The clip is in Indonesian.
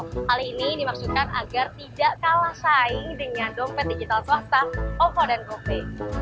hal ini dimaksudkan agar tidak kalah saing dengan dompet digital swasta ovo dan kopi